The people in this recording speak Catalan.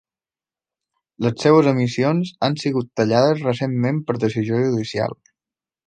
Les seues emissions han sigut tallades recentment per decisió judicial.